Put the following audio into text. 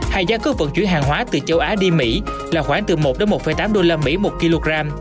hay giá cước vận chuyển hàng hóa từ châu á đi mỹ là khoảng từ một một tám usd một kg